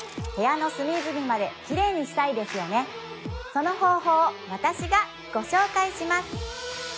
その方法を私がご紹介します